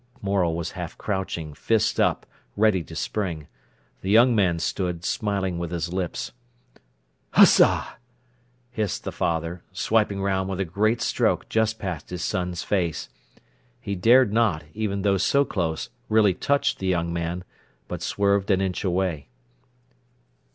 Morel was half crouching, fists up, ready to spring. The young man stood, smiling with his lips. "Ussha!" hissed the father, swiping round with a great stroke just past his son's face. He dared not, even though so close, really touch the young man, but swerved an inch away.